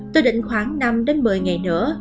tôi định khoảng năm đến một mươi ngày nữa